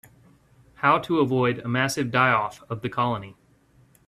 How to avoid a massive die-off of the colony.